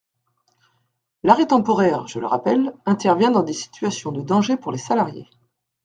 L’arrêt temporaire, je le rappelle, intervient dans des situations de danger pour les salariés.